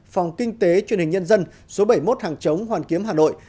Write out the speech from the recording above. phòng kinh tế truyền hình nhân dân số bảy mươi một hàng chống hoàn kiếm hà nội